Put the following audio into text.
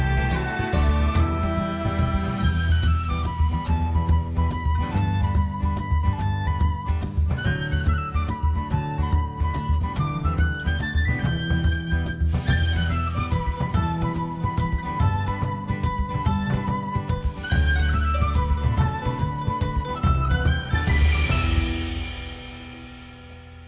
โปรดติดตามตอนต่อไป